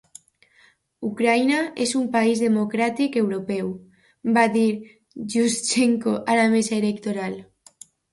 "Ucraïna és un país democràtic europeu", va dir Yushchenko a la mesa electoral.